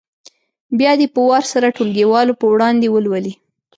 بیا دې په وار سره ټولګیوالو په وړاندې ولولي.